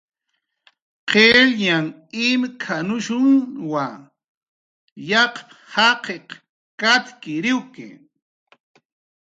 "Qillyanh imk""anushunwa, qachips katk""ipanqa"